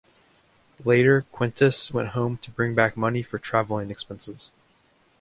Later Quintus went home to bring back money for travelling expenses.